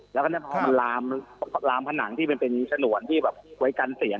แล้วก็เนี่ยพอมันลามผนังที่เป็นสนวนที่แบบไว้กันเสียง